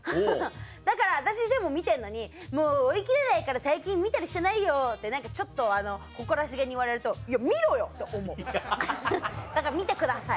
だから私でも見てるのに「もう追いきれないから最近見たりしてないよ」って何かちょっと誇らしげに言われると見ろよ！と思うだから見てください。